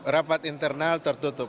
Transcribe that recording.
rapat internal tertutup